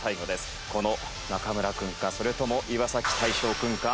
この中村くんかそれとも岩大昇くんか。